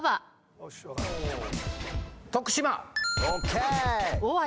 徳島。